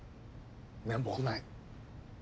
面目ない。